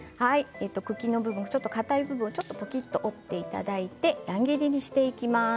茎の部分、かたい部分をちょっと持っていただいて乱切りにしていきます。